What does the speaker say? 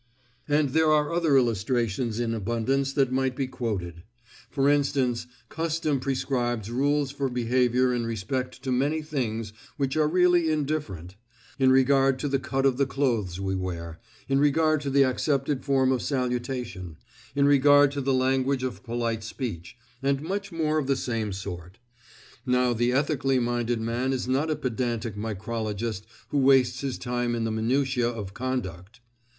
And there are other illustrations in abundance that might be quoted. For instance, custom prescribes rules of behavior in respect to many things which are really indifferent; in regard to the cut of the clothes we wear, in regard to the accepted form of salutation, in regard to the language of polite speech, and much more of the same sort. Now, the ethically minded man is not a pedantic micrologist who wastes his time on the minutiae of conduct.